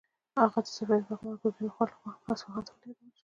هغه د صفوي واکمن ګرګین خان لخوا اصفهان ته ولیږل شو.